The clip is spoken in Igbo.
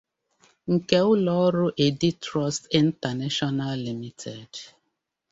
nke ụlọọrụ 'Editrust International Limited'